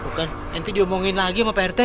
bukan nanti diomongin lagi sama pak rete